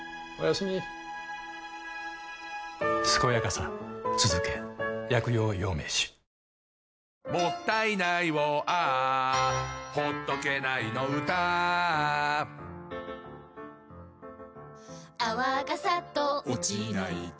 すこやかさつづけ薬用養命酒「もったいないを Ａｈ」「ほっとけないの唄 Ａｈ」「泡がサッと落ちないと」